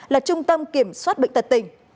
là trung tâm kiểm soát bệnh tật tình